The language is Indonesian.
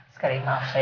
sekarang maaf ya